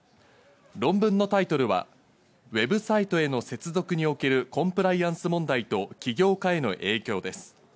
論文のタイトルは、ウェブサイトへの接続におけるコンプライアンス問題と起業家への影響です。